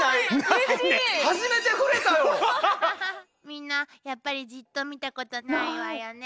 みんなやっぱりじっと見たことないわよね。